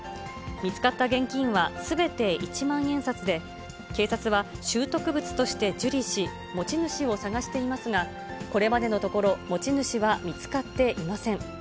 見つかった現金はすべて一万円札で、警察は、拾得物として受理し、持ち主を捜していますが、これまでのところ、持ち主は見つかっていません。